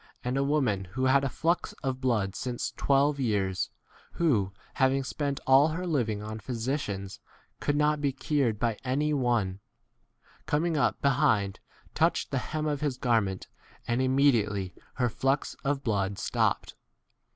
And a woman who had a flux of blood since twelve years, who, having" spent all her living on physicians, could not be 44 cured by any one, coming up be hind, touched the hem of his garment, and immediately her 45 flux of blood stopped.